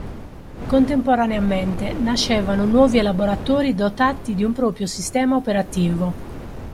Contemporaneamente nascevano nuovi elaboratori dotati di un proprio sistema operativo.